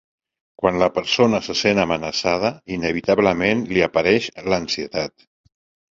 Quan la persona se sent amenaçada, inevitablement li apareix l'ansietat.